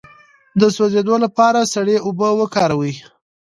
د سوځیدو لپاره سړې اوبه وکاروئ